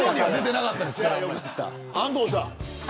安藤さん